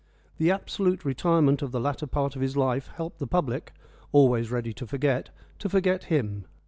The absolute retirement of the latter part of his life helped the public always ready to forget to forget him.